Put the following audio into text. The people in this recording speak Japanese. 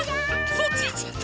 そっちいっちゃった。